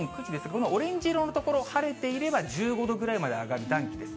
このオレンジ色の所、晴れていれば１５度ぐらいまで上がる暖気です。